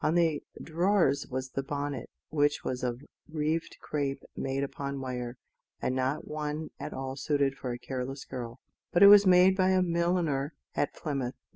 On the drawers was the bonnet, which was of reeved crape made upon wire, and not one at all suited for a careless girl; but it was made by a milliner at Plymouth.